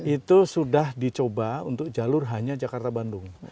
itu sudah dicoba untuk jalur hanya jakarta bandung